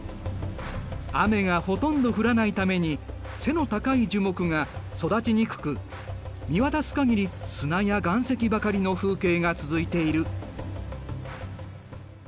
雨がほとんど降らないために背の高い樹木が育ちにくく見渡す限り砂や岩石ばかりの風景が続いている。